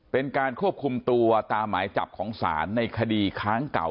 เป็นการควบคุมตัวตามหมายจับของศาลในคดีค้างเก่า